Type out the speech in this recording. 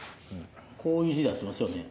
こういう字で合ってますよね？